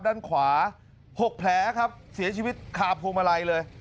ด้านขวา๖แผลครับเสียชีวิตคาพวงมาลัยเลย